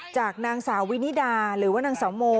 จากนางสาววินิดาหรือว่านางสาวโม